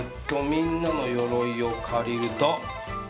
みんなのよろいを借りると。